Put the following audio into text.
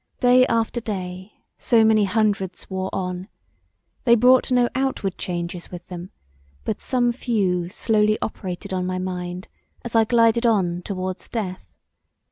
Day after day so many hundreds wore on; they brought no outward changes with them, but some few slowly operated on my mind as I glided on towards death.